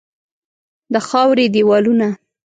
د خاوري دیوالونه